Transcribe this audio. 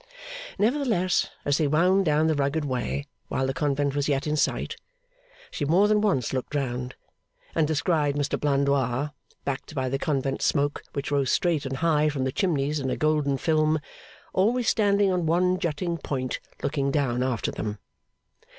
Nevertheless, as they wound down the rugged way while the convent was yet in sight, she more than once looked round, and descried Mr Blandois, backed by the convent smoke which rose straight and high from the chimneys in a golden film, always standing on one jutting point looking down after them.